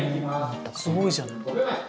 すごいじゃない。